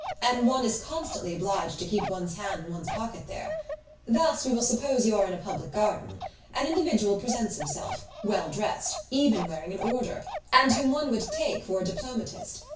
And one is constantly obliged to keep one's hand in one's pocket there. Thus, we will suppose you are in a public garden. An individual presents himself, well dressed, even wearing an order, and whom one would take for a diplomatist.